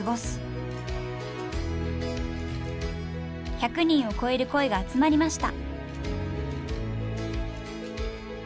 １００人を超える声が集まりました。